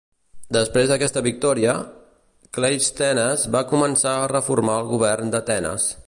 Després d'aquesta victòria, Cleisthenes va començar a reformar el govern d'Atenes.